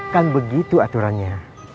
kan begitu aturannya